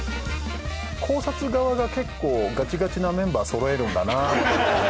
考察側が結構ガチガチなメンバーそろえるんだな。